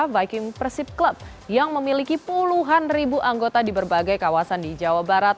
viking persib club yang memiliki puluhan ribu anggota di berbagai kawasan di jawa barat